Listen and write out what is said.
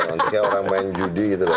nantinya orang main judi gitu loh